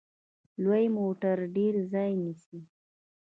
لوی موټر ډیر ځای نیسي.